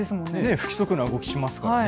不規則な動きしますからね。